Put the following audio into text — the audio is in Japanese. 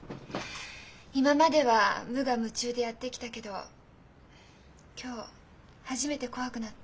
今までは無我夢中でやってきたけど今日初めて怖くなった。